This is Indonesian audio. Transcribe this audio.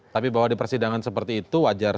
tapi bahwa di persidangan seperti itu wajar